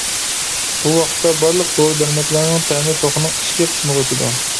بۇ ۋاقتىدا بارلىق دورا-دەرمەكلەرنىڭ تەمى توخۇنىڭ ئىچكى قىسمىغا ئۆتىدۇ.